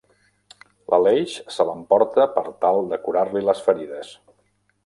L'Aleix se l'emporta per tal de curar-li les ferides.